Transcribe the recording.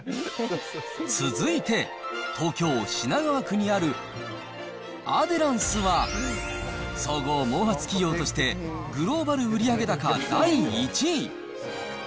続いて、東京・品川区にあるアデランスは、総合毛髪企業として、グローバル売上高第１位。